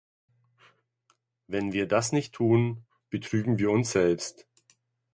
Wenn wir das nicht tun, betrügen wir uns selbst.